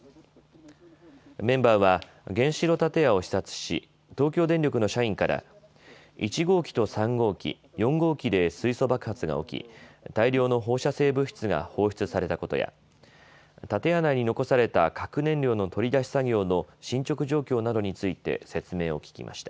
メンバーは原子炉建屋を視察し東京電力の社員から１号機と３号機、４号機で水素爆発が起き、大量の放射性物質が放出されたことや建屋内に残された核燃料の取り出し作業の進捗状況などについて説明を聞きました。